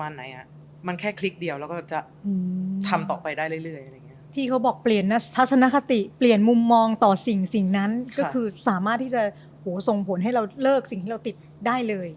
ที่เขาบอกเปลี่ยนทัศนคติเปลี่ยนมุมมองต่อสิ่งนั้นก็คือสามารถที่จะส่งผลให้เราเลิกสิ่งที่เราติดได้เลย